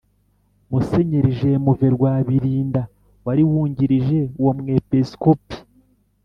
musenyeri jmv rwabilinda, wari wungirije uwo mwepisikopi